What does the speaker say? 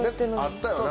あったよな